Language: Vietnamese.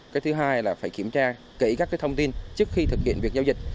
cái thứ hai là phải kiểm tra kỹ các thông tin trước khi thực hiện việc giao dịch